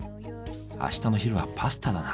あしたの昼はパスタだな。